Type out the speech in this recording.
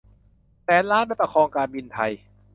แสนล้านไปประคองการบินไทย